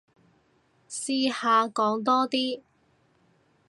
試下講多啲